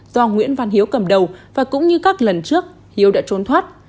do nguyễn văn hiếu cầm đầu và cũng như các lần trước hiếu đã trốn thoát